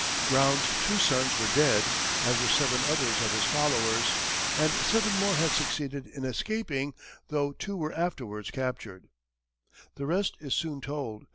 Brown's two sons were dead, as were seven others of his followers, and seven more had succeeded in escaping, though two were afterwards captured. The rest is soon told.